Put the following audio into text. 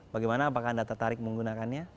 bagaimana apakah anda tertarik menggunakannya